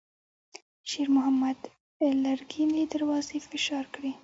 شېرمحمد لرګينې دروازې فشار کړې.